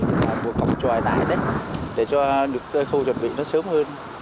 tôi đã buộc cộng tròi lại để cho lực lượng chuẩn bị nó sớm hơn